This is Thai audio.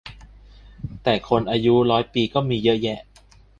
แต่คนอายุร้อยปีก็มีเยอะแยะ